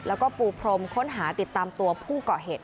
แล้วก็ปูพรมค้นหาติดตามตัวผู้เกาะเหตุ